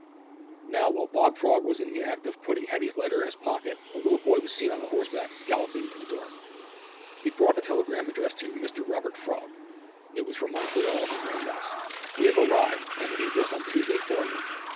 Now, while Bob Frog was in the act of putting Hetty's letter in his pocket, a little boy was seen on horseback, galloping up to the door. He brought a telegram addressed to "Mr Robert Frog." It was from Montreal, and ran thus: "We have arrived, and leave this on Tuesday forenoon."